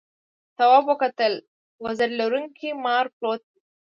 تواب وکتل وزر لرونکي مار پروت و.